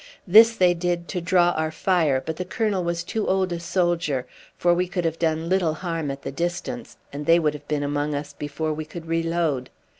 This they did to draw our fire, but the colonel was too old a soldier; for we could have done little harm at the distance, and they would have been among us before we could reload.